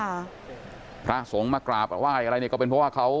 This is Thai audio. พระสงฆ์มากราบไหว้อะไรเนี่ยก็เป็นเพราะว่าเขา